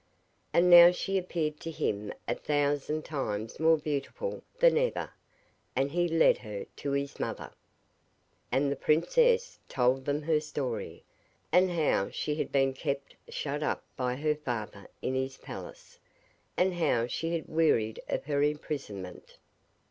And now she appeared to him a thousand times more beautiful than ever, and he led her to his mother. And the princess told them her story, and how she had been kept shut up by her father in his palace, and how she had wearied of her imprisonment.